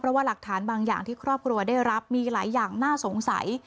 เพราะว่าหลักฐานบางอย่างที่ครอบครัวได้รับมีหลายอย่างน่าสงสัย